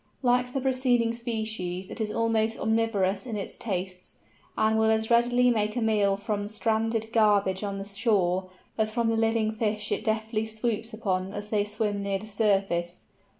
Like the preceding species it is almost omnivorous in its tastes, and will as readily make a meal from stranded garbage on the shore, as from the living fish it deftly swoops upon as they swim near the surface.